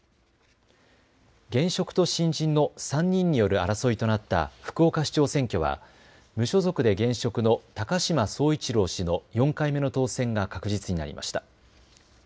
現職と新人の３人による争いとなった福岡市長選挙は無所属で現職の高島宗一郎氏の４回目の当選が確実になりました。